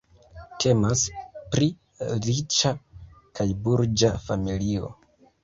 Temas pri riĉa kaj burĝa familio.